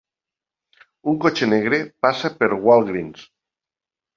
Un cotxe negre passa per Walgreens